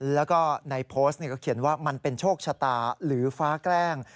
แล้วก็ในโพสต์ก็เขียนว่ามันเป็นโชคชะตาหรือฟ้าแกล้ง